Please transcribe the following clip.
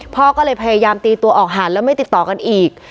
พ่อก็เลยพยายามตีตัวออกห่างแล้วไม่ติดต่อกันอีก